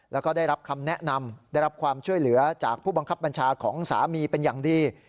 แล้วก็ได้รับคำแนะนำได้รับความช่วยเหลือจากผู้บังคับบัญชาของสามีเป็นอย่างดี